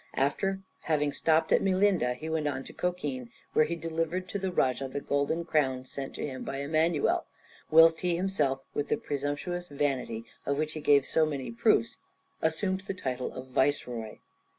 After having stopped at Melinda he went on to Cochin, where he delivered to the Rajah the golden crown sent to him by Emmanuel, whilst he himself, with the presumptuous vanity of which he gave so many proofs, assumed the title of viceroy.